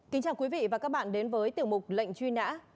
kính chào quý vị và các bạn đến với tiểu mục lệnh truy nã